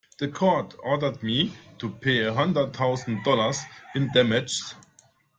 The court ordered me to pay a hundred thousand dollars in damages.